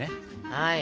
はい！